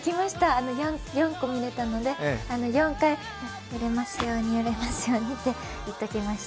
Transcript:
４個見れたので４回、売れますように売れますようにって言っておきました。